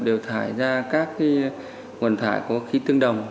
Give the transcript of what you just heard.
đều thải ra các nguồn thải có khí tương đồng